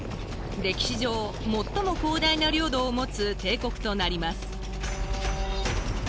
歴史上もっとも広大な領土を持つ帝国となります。